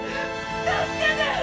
助けて！